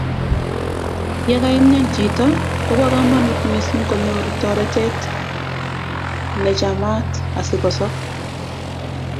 Ye kaimian chito, koba kamanut mising konyor toretet nechamaat asikosob